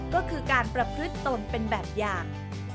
ก็คือการประพฤติตนเป็นแบบอย่าง